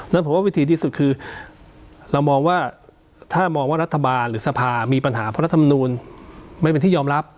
แล้วผมว่าวิธีที่สุดคือเรามองว่าถ้ามองว่ารัฐบาลหรือสภามีปัญหาเพราะรัฐมนูลไม่เป็นที่ยอมรับ